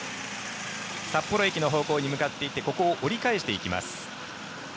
札幌駅の方向に向かっていってここを折り返していきます。